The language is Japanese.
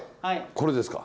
これですか？